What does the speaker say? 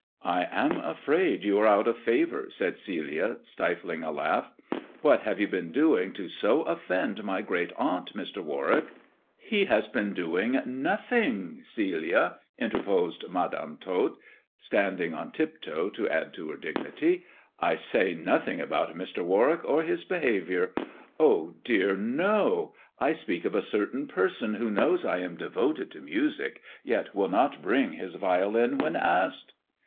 " I am afraid you are out of favour," said Celia, stifling a laugh. " What have you been doing to so offend my great aunt, Mr. Warwick 1 " "He has been doing nothing, Celia," interposed Madam Tot, standing on tip toe to add to her dignity. "I say 96 THE dwarf's chamber nothing about Mr. Warwick or his behaviour. Oh dear, no ! I speak of a certain person who knows I am devoted to music, yet will not bring his violin when asked."